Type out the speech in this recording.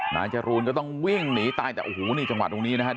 นายจรูนก็ต้องวิ่งหนีตายแต่โอ้โหนี่จังหวะตรงนี้นะฮะ